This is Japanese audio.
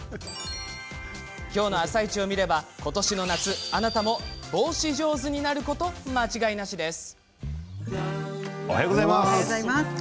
今日の「あさイチ」を見れば今年の夏あなたも帽子上手になること間違いなしです。